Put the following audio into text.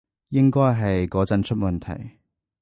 應該係嗰陣出問題